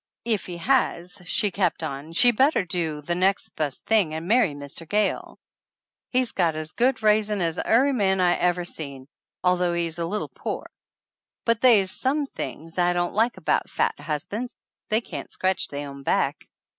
"If he has," she kept on, "sheV better do the nex' best thing and marry Mr. Gayle. He's got as good raisin' as ary man I ever seen, although he's a little pore. But they's some things I don't like about fat husban's they can't scratch they own back!"